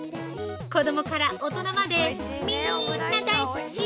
子どもから大人まで、みんなだい好き